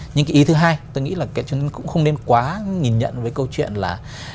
nhưng cái ý thứ hai tôi nghĩ là chúng ta cũng không nên quá nhìn nhận với câu chuyện là